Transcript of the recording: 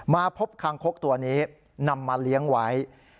มาพบคางคกตัวนี้นำมาเลี้ยงไว้